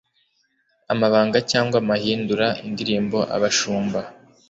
Amabanga cyangwa amahindura: Indirimbo abashumba